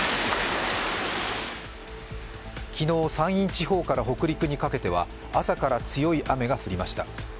昨日、山陰地方から北陸にかけては朝から強い雨が降りました。